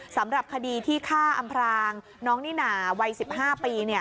สำหรับคดีที่ฆ่าอำพรางน้องนิน่าวัย๑๕ปี